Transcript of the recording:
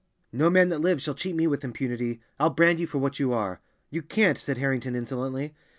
"No man that lives shall cheat me with impunity. I'll brand you for what you are!" "You can't," said Harrington insolently.